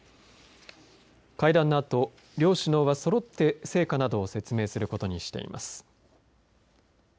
会談のあと両首脳はそろって成果などを説明することにしています。